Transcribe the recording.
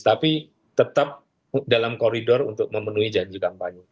tapi tetap dalam koridor untuk memenuhi janji kampanye